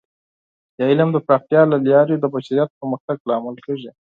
د علم د پراختیا له لارې د بشریت د پرمختګ لامل کیږي.